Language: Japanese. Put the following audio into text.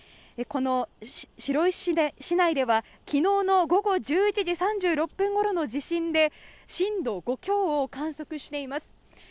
この白石市内では昨日の午後１１時３６分ごろの地震で震度５強を観測しています。